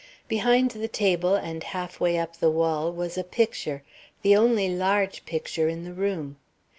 Behind the table and half way up the wall was a picture, the only large picture in the room.